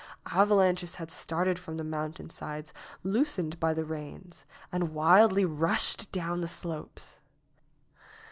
Avalanches had started from the mountainsides, loosened by the rains, and wildly rushed down the slopes.